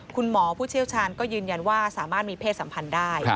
ผู้เชี่ยวชาญก็ยืนยันว่าสามารถมีเพศสัมพันธ์ได้